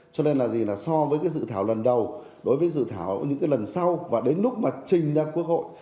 cho nên là so với dự thảo lần đầu đối với dự thảo những lần sau và đến lúc mà trình ra quốc hội